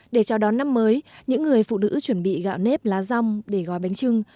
để chào đón năm mới những người phụ nữ chuẩn bị gạo nếp lá rong để gói bánh trưng